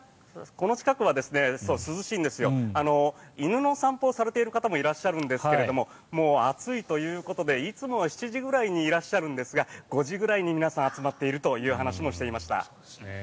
この近くは犬の散歩をされている方もいらっしゃるんですがもう暑いということでいつもは７時ぐらいにいらっしゃるんですが５時ぐらいに皆さん集まっているという話もしていました。